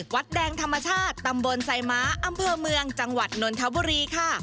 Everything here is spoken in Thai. วัดแดงธรรมชาติตำบลไซม้าอำเภอเมืองจังหวัดนนทบุรีค่ะ